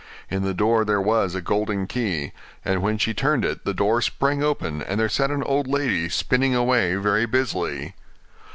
In the door there was a golden key, and when she turned it the door sprang open, and there sat an old lady spinning away very busily.